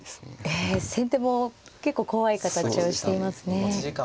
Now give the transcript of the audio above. ええ先手も結構怖い形をしていますね。